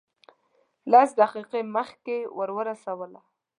لس دقیقې مخکې ورسولو.